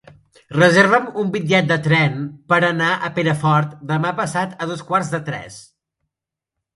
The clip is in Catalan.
Reserva'm un bitllet de tren per anar a Perafort demà passat a dos quarts de tres.